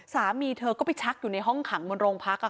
สามีเธอก็ไปชักอยู่ในห้องขังบนโรงพัก